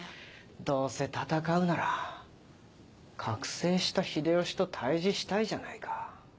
どうせ戦うなら覚醒した秀吉と対峙したいじゃないか。